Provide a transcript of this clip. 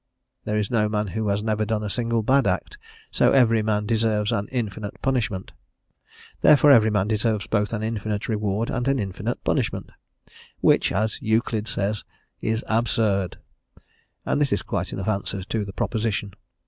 There is no man who has never done a single bad act, so every man deserves an infinite punishment. Therefore every man deserves both an infinite reward and an infinite punishment, "which," as Euclid says, "is absurd." And this is quite enough answer to the proposition.